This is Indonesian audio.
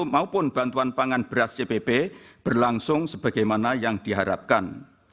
maupun bantuan pangan beras cpp berlangsung sebagaimana yang diharapkan